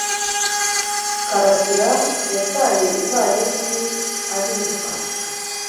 Karasira yataye ivalisi ariruka